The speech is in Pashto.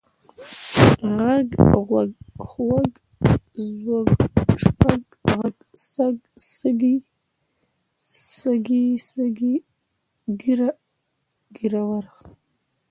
غږ، غوږ، خوَږ، ځوږ، شپږ، ږغ، سږ، سږی، سږي، ږېره، ږېروَر .